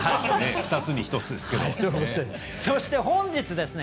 ２つに１つですね。